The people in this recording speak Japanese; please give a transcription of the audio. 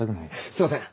すいません！